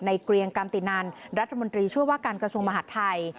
เกรียงกันตินันรัฐมนตรีช่วยว่าการกระทรวงมหาดไทย